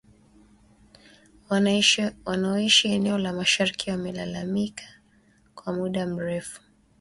Wanaoishi eneo la mashariki wamelalamika kwa muda mrefu